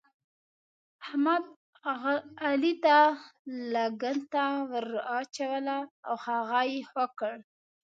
احمد، علي ته لنګته ور واچوله او هغه يې خوږ کړ.